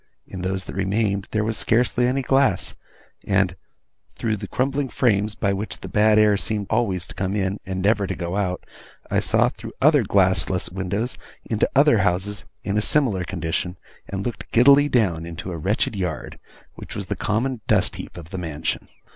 In those that remained, there was scarcely any glass; and, through the crumbling frames by which the bad air seemed always to come in, and never to go out, I saw, through other glassless windows, into other houses in a similar condition, and looked giddily down into a wretched yard, which was the common dust heap of the mansion.